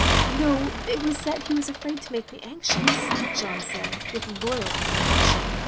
"No — ^it was that he was afraid to make me anxious," Jeanne said, with loyal admiration.